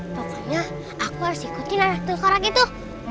pokoknya aku harus ikutin anak tang kurak itu